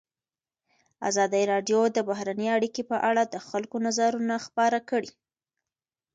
ازادي راډیو د بهرنۍ اړیکې په اړه د خلکو نظرونه خپاره کړي.